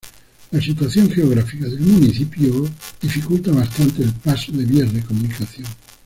La situación geográfica del municipio dificulta bastante el paso de vías de comunicación.